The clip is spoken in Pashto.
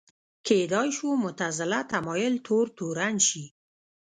کېدای شو معتزله تمایل تور تورن شي